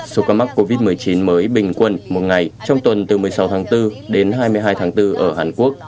số ca mắc covid một mươi chín mới bình quân một ngày trong tuần từ một mươi sáu tháng bốn đến hai mươi hai tháng bốn ở hàn quốc